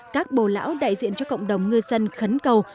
các bồ lão đại diện cho cộng đồng ngư dân khấn cầu